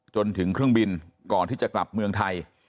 จนถึงเครื่องบินก่อนที่จะกลับเมืองไทย